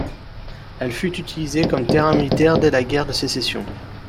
Elle fut utilisée comme terrain militaire dès la Guerre de Sécession.